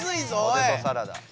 ポテトサラダ。